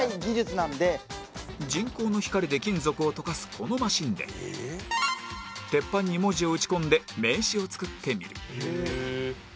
人工の光で金属を溶かすこのマシンで鉄板に文字を打ち込んで名刺を作ってみる